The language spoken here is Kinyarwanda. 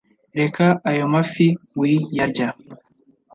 reka ayo mafi wi yarya